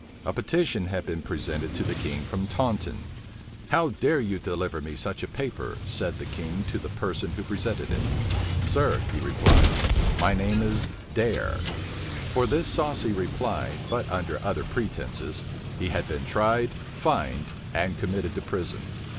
A petition had been presented to the king from Taunton. "How dare you deliver me such a paper?" said the king to the person who presented it. "Sir," replied he, "my name is DARE." For this saucy reply, but under other pretences, he had been tried, fined, and committed to prison.